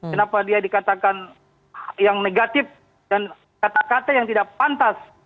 kenapa dia dikatakan yang negatif dan kata kata yang tidak pantas